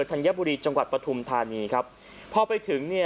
ธัญบุรีจังหวัดปฐุมธานีครับพอไปถึงเนี่ย